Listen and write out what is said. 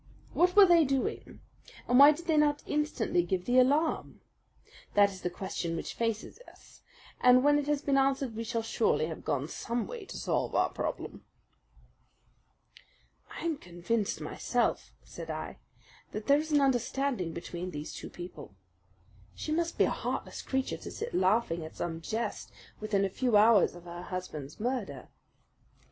What were they doing, and why did they not instantly give the alarm? That is the question which faces us, and when it has been answered we shall surely have gone some way to solve our problem." "I am convinced myself," said I, "that there is an understanding between those two people. She must be a heartless creature to sit laughing at some jest within a few hours of her husband's murder."